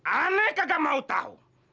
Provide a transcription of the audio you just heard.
aneh kagak mau tau